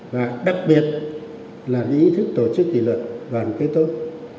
và đặc biệt là lý thức tổ chức kỷ luật và kế tốt